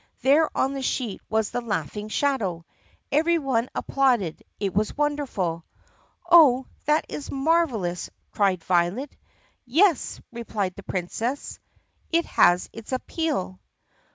there on the sheet was the laughing shadow. Every one ap plauded. It was wonderful. "Oh, that is marvelous!" cried Violet. "Yes," replied the Princess, "it has its appeal."